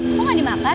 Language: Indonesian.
kok gak dimakan